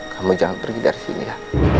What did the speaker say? kamu jangan pergi dari sini ya